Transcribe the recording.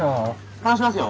離しますよ。